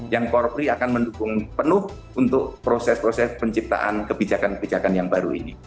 yang korpri akan mendukung penuh untuk proses proses penciptaan kebijakan kebijakan yang baru ini